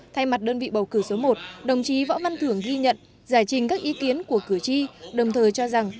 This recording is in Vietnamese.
thay mặt đơn vị bầu cử số một đồng chí võ văn thưởng ghi nhận giải trình các ý kiến của cử tri đồng thời cho rằng